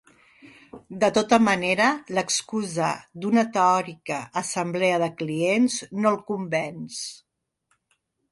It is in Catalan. De tota manera l'excusa d'una teòrica assemblea de clients no el convenç.